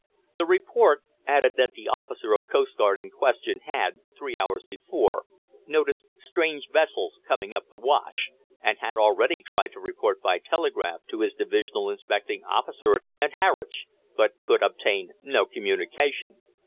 The report added that the officer of coastguard in question had, three hours before, noticed strange vessels coming up the Wash, and had already tried to report by telegraph to his divisional inspecting officer at Harwich, but could obtain no communication.